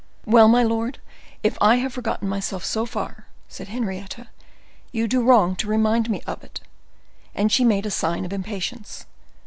"Well, my lord, if I have forgotten myself so far," said Henrietta, "you do wrong to remind me of it." And she made a sign of impatience.